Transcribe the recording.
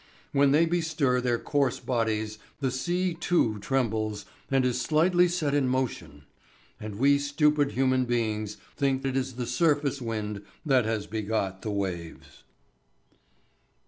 When they bestir their coarse bodies the sea too trembles and is slightly set in motion. And we stupid human beings think it is the surface wind that has begot the waves.